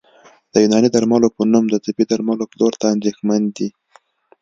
د یوناني درملو په نوم د طبي درملو پلور ته اندېښمن دي